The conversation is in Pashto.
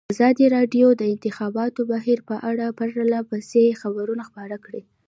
ازادي راډیو د د انتخاباتو بهیر په اړه پرله پسې خبرونه خپاره کړي.